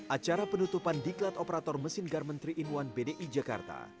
acara penutupan diklat operator mesin garmen tiga in satu bdi jakarta